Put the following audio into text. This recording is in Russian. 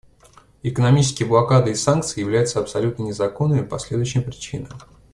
Экономические блокады и санкции являются абсолютно незаконными по следующим причинам.